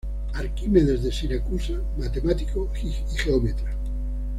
Arquímedes de Siracusa, matemático y geómetra.